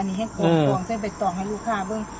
อันนี้ให้โกงค์โกงค์ใช้เป็ดต่อให้ลูกค้าพึ่ง